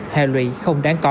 hẹo lụy không đáng có